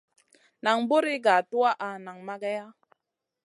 Nan buri ga tuwaʼa nang mageya.